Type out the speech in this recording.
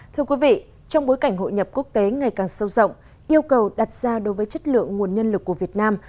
thưa quý vị trong bối cảnh hội nhập quốc tế ngày càng sâu rộng yêu cầu đặt ra đối với chất lượng nguồn nhân lực của việt nam